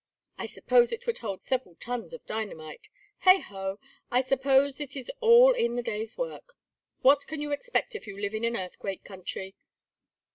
I suppose it would hold several tons of dynamite! Heigh ho, I suppose it is all in the day's work. What can you expect if you live in an earthquake country?"